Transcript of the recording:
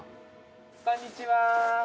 こんにちは。